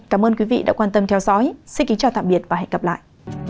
cảm ơn quý vị đã quan tâm theo dõi xin kính chào tạm biệt và hẹn gặp lại